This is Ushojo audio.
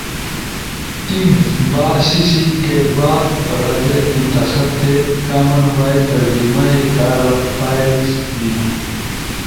ٹیم۔ با سیسی کے بعد پراجیکٹ منتخب تھے۔ کامن وائس ترجمائی کارا فائلز بینا۔